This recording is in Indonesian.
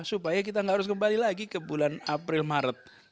supaya kita nggak harus kembali lagi ke bulan april maret